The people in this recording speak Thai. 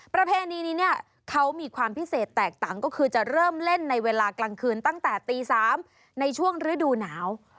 ประเพณีนี้เนี่ยเขามีความพิเศษแตกต่างก็คือจะเริ่มเล่นในเวลากลางคืนตั้งแต่ตี๓ในช่วงฤดูหนาว